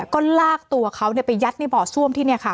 ก็ลากตัวเขาไปยัดในบ่อซ่วมที่นี่ค่ะ